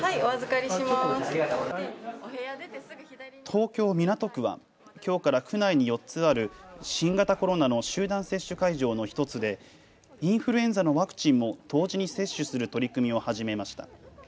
東京港区は、きょうから区内に４つある新型コロナの集団接種会場の１つでインフルエンザのワクチンも同時に接種する取り組みを始めました。